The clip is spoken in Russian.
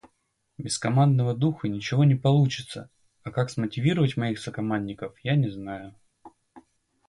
Без командного духа ничего не получится, а как смотивировать моих сокомандников, я не знаю.